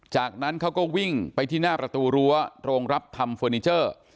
จากนั้นเขาก็วิ่งไปที่หน้าประตูรั้วโรงรับทำเฟอร์นิเจอร์